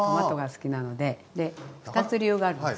で２つ理由があるんです。